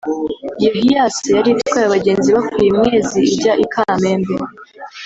Iyo Hiace yari itwaye abagenzi ibakuye i Mwezi ijya i Kamembe